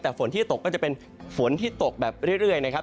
แต่ฝนที่ตกก็จะเป็นฝนที่ตกแบบเรื่อยนะครับ